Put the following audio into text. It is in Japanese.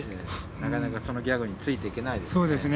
なかなかそのギャグについていけないですね。